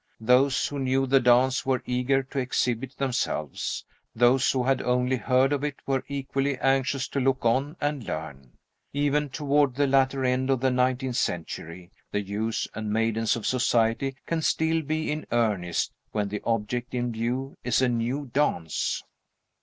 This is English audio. Those who knew the dance were eager to exhibit themselves. Those who had only heard of it were equally anxious to look on and learn. Even toward the latter end of the nineteenth century the youths and maidens of Society can still be in earnest when the object in view is a new dance.